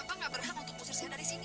apa gak berhak untuk puser saya dari sini